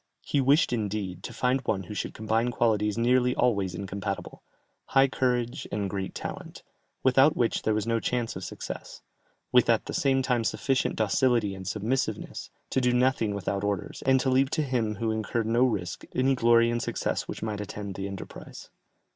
He wished indeed, to find one who should combine qualities nearly always incompatible, high courage and great talent, without which there was no chance of success, with at the same time sufficient docility and submissiveness, to do nothing without orders, and to leave to him who incurred no risk, any glory and success which might attend the enterprise.